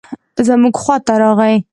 زموږ خواته راغی.